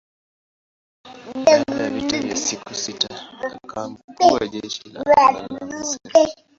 Baada ya vita ya siku sita akawa mkuu wa jeshi la anga la Misri.